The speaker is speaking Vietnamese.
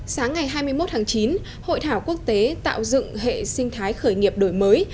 sáng ngày hai mươi một tháng chín hội thảo quốc tế tạo dựng hệ sinh thái khởi nghiệp đổi mới